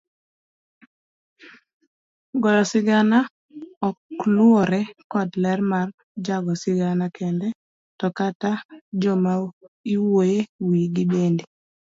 Goyo sigana okluore kod ler mar jago sigana kende, to kata jomaiwuoyo ewigi bende